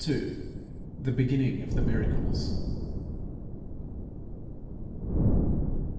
THE BEGINNING OF MIRACLES.